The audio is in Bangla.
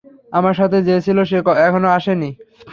আমার সাথে যে ছিলো সে এখনও আসেনি।